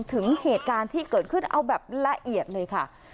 ถึงเหตุการณ์ที่เกิดขึ้นเอาแบบละเอียดเลยค่ะ